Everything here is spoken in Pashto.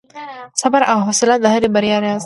• صبر او حوصله د هرې بریا راز دی.